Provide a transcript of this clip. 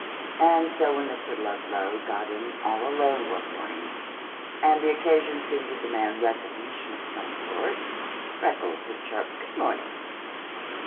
And so when Mr. Ludlow got in all alone one morning, and the occasion seemed to demand recognition of some sort, Freckles had chirped: "Good morning!"